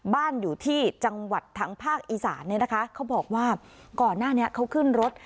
บ้านอยู่ที่จังหวัดทางภาคอีสานเนี่ยนะคะเขาบอกว่าก่อนหน้านี้เขาขึ้นรถ